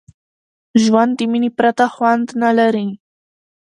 ژوند د میني پرته خوند نه لري.